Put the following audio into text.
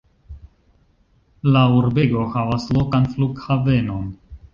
La urbego havas lokan flughavenon.